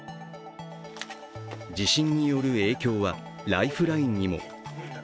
地震による影響はライフラインにも。